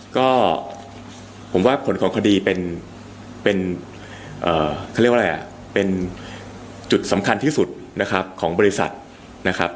ก็ผมว่าผลของคดีเป็นจุดสำคัญที่สุดของบริษัทนะครับ